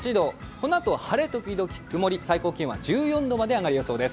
このあと、晴れ時々曇り最高気温は１４度まで上がる予想です。